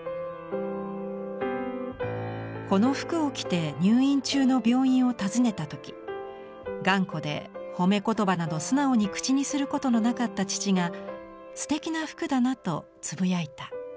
「この服を着て入院中の病院を訪ねた時頑固で誉め言葉など素直に口にすることのなかった父が素敵な服だなとつぶやいた。